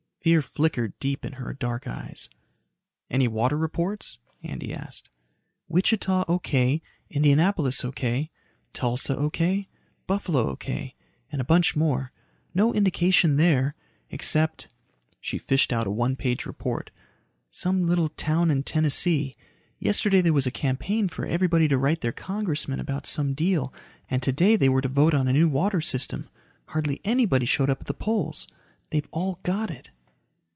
Fear flickered deep in her dark eyes. "Any water reports?" Andy asked. "Wichita O.K., Indianapolis O.K., Tulsa O.K., Buffalo O.K., and a bunch more. No indication there. Except" she fished out a one page report "some little town in Tennessee. Yesterday there was a campaign for everybody to write their congressman about some deal and today they were to vote on a new water system. Hardly anybody showed up at the polls. They've all got it."